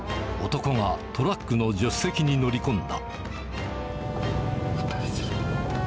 男がトラックの助手席に乗り２人連れ。